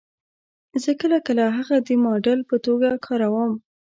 زه کله کله هغه د ماډل په توګه کاروم